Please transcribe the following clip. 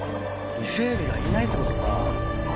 伊勢えびがいないってことか。